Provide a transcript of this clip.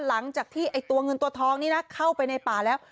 หลังจากที่ไอ้ตัวเงินตัวทองนี่นะเข้าไปในป่าแล้ว